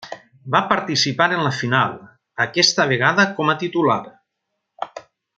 Va participar en la final, aquesta vegada com a titular.